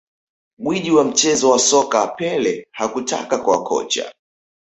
Gwiji wa mchezo wa soka Pele hakutaka kuwa kocha